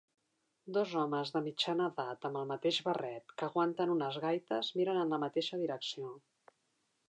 Dos homes de mitjana edat amb el mateix barret que aguanten unes gaites miren en la mateixa direcció.